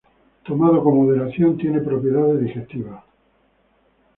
Tomado con moderación, tiene propiedades digestivas.